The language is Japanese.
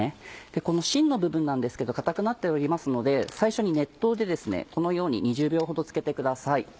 このしんの部分なんですけど硬くなっておりますので最初に熱湯でこのように２０秒ほどつけてください。